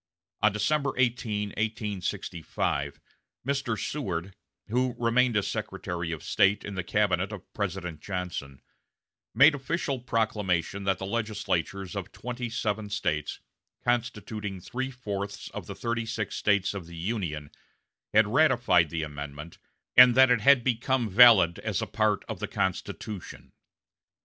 On December 18, 1865, Mr. Seward, who remained as Secretary of State in the cabinet of President Johnson, made official proclamation that the legislatures of twenty seven States, constituting three fourths of the thirty six States of the Union, had ratified the amendment, and that it had become valid as a part of the Constitution.